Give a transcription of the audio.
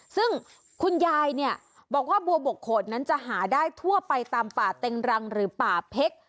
ซึ่งคุณยายเนี่ยบอกว่าบัวบกโขดนั้นจะหาได้ทั่วไปตามป่าเต็งรังหรือป่าเพชร